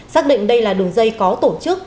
xác định đây là đường dây có tổ chức